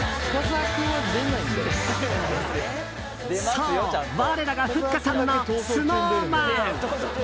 そう、我らがふっかさんのＳｎｏｗＭａｎ。